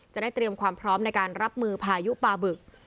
จะได้เตรียมความพร้อมในการรับมือพายุปลาบึก